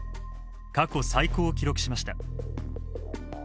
過去最高を記録しました。